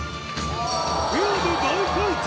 ペアで大回転